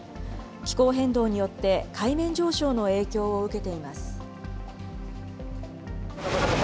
気候変動によって、海面上昇の影響を受けています。